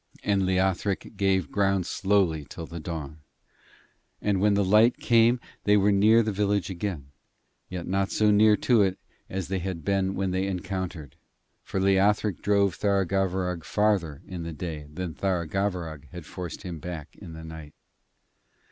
And Leothric gave ground slowly till the dawn, and when the light came they were near the village again; yet not so near to it as they had been when they encountered, for Leothric drove Tharagavverug farther in the day than Tharagavverug had forced him back in the night.